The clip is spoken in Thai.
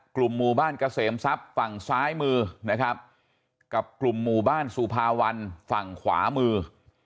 กลุ่มหมู่บ้านเกษมทรัพย์ฝั่งซ้ายมือนะครับกับกลุ่มหมู่บ้านสุภาวันฝั่งขวามือ